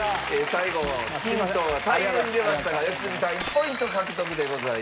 最後ヒントが大量に出ましたが良純さん１ポイント獲得でございます。